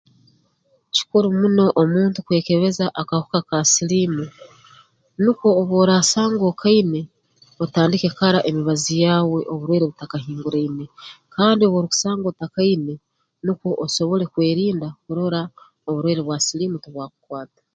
Kikuru muno omuntu kwekebeza akahuka ka siliimu nukwo obu oraasanga okaine otandike kara emibazi yaawe oburwaire butakahinguraine kandi obu orukusanga otakaine nukwe osobole kwerinda kurora oburwaire bwa siliimu tubwakukwata